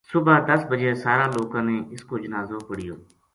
صبح دس بجے سارا لوکاں نے اس کو جنازو پڑھیو